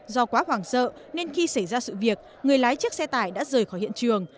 do quá hoảng sợ nên khi xảy ra sự việc người lái chiếc xe tải đã rời khỏi hiện trường